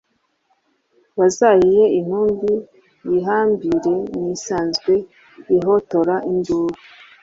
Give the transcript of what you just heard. bazayihe intumbi yihambire ni isanzwe ihotora induru